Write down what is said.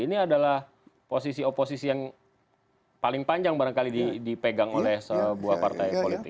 ini adalah posisi oposisi yang paling panjang barangkali dipegang oleh sebuah partai politik